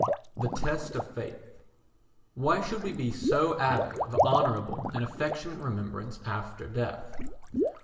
The Test of Faith Why should we be so avid of honourable and affectionate remembrance after death?